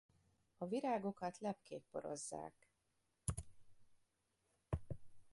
A virágokat lepkék porozzák.